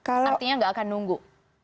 artinya nggak akan nunggu